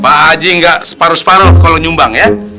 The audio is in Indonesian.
pak haji nggak separuh separuh kalau nyumbang ya